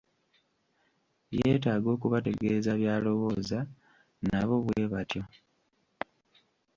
Yeetaaga okubategeza by'alowooza, nabo bwe batyo.